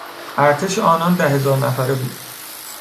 ارتش آنان ده هزار نفره بود.